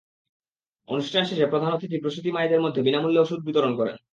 অনুষ্ঠান শেষে প্রধান অতিথি প্রসূতি মায়েদের মধ্যে বিনামূল্যে ওষুধ বিতরণ করেন।